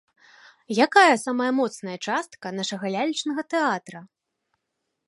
Якая самая моцная частка нашага лялечнага тэатра?